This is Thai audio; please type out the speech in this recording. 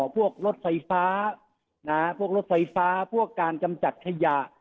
พวกรถไฟฟ้าพวกรถไฟฟ้าพวกการกำจัดขยะ